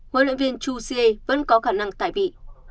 huấn luyện viên chu xie vẫn có khả năng tải vị